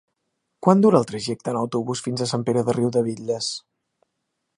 Quant dura el trajecte en autobús fins a Sant Pere de Riudebitlles?